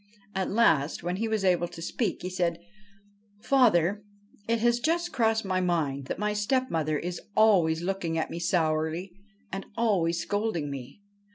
At last, when he was able to speak, he said, ' Father, it has just crossed my mind that my stepmother is always looking at me sourly and always scolding me.